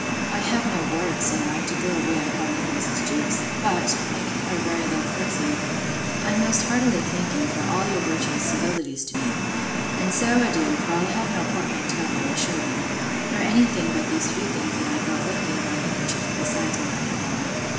I have no words, said I, to throw away upon you, Mrs. Jewkes; but, making her a very low courtesy, I most heartily thank you for all your virtuous civilities to me. And so adieu; for I'll have no portmanteau, I'll assure you, nor any thing but these few things that I brought with me in my handkerchief, besides what I have on.